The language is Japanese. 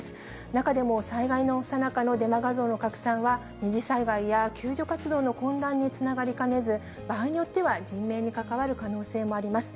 中でも、災害のさなかのデマ画像の拡散は、二次災害や救助活動の混乱につながりかねず、場合によっては、人命に関わる可能性もあります。